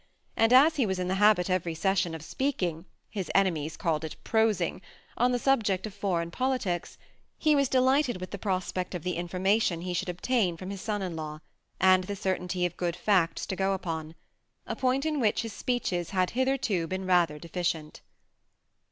And as he was in the habit every session of speaking — his enemies called it prosing — on the subject of foreign politics, he was delighted with the prospect of the information he should obtain from his son in law, and the certainty of good facts to go upon ; a point in which his speeches had hitherto been rather deficient.